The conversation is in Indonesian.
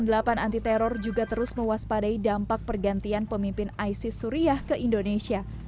komisi delapan anti teror juga terus mewaspadai dampak pergantian pemimpin isis suriah ke indonesia